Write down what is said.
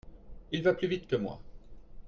Il va plus vite que moi.